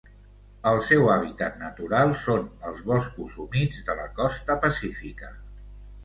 El seu hàbitat natural són els boscos humits de la costa pacífica.